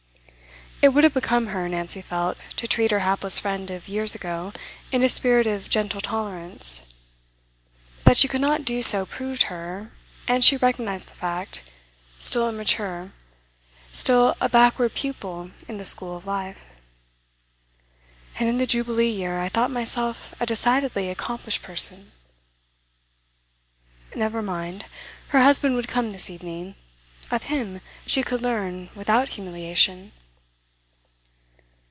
It would have become her, Nancy felt, to treat her hapless friend of years ago in a spirit of gentle tolerance; that she could not do so proved her and she recognised the fact still immature, still a backward pupil in the school of life. 'And in the Jubilee year I thought myself a decidedly accomplished person!' Never mind. Her husband would come this evening. Of him she could learn without humiliation.